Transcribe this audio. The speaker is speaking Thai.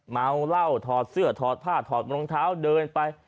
เมาเหล้าถอดเสื้อถอดผ้าถอดรองเท้าเดินไป